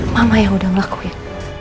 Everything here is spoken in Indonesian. mama yang udah melakuin